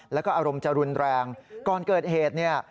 แล้วก็อารมณ์จะรุนแรงก่อนเกิดเหตุเนี่ย